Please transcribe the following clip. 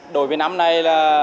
đối với năm nay